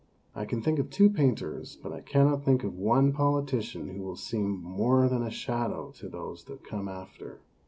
I can think of two painters, but I cannot think of one politician who will seem more than a shadow to those that come after.